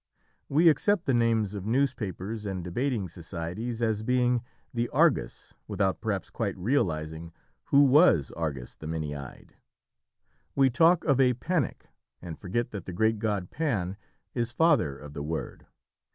We accept the names of newspapers and debating societies as being the "Argus," without perhaps quite realising who was Argus, the many eyed. We talk of "a panic," and forget that the great god Pan is father of the word.